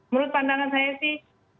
menurut pandangan saya sih